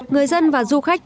người dân và du khách mong đợi